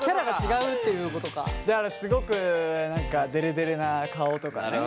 だからすごく何かデレデレな顔とかね。